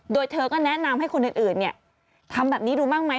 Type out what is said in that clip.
โดยเธอก็แนะนำให้คนอื่นทำแบบนี้ดูบ้างไหม